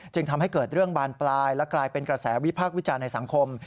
จึงทำให้เกิดเรื่องบานปลายและกลายเป็นกระแสวิพากษ์วิจารณ์ในสังคม